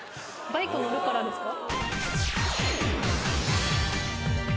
バイク乗るからですか？